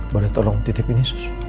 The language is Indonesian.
boleh tolong titip ini